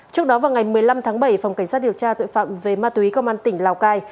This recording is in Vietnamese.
trước đó vào ngày một mươi năm tháng bảy phòng cảnh sát điều tra tội phạm về ma túy công an tỉnh lào cai